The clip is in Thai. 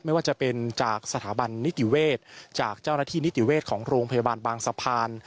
ไม่ว่าจะเป็นจากสถาบันนิติเวศจากเจ้าหน้าที่นิติเวชของโรงพยาบาลบางสะพาน